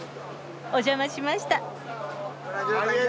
お邪魔しました。